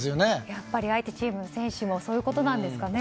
やっぱり相手チームの選手もそういうことなんですかね？